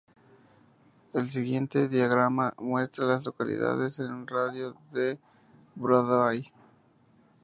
El siguiente diagrama muestra a las localidades en un radio de de Broadway.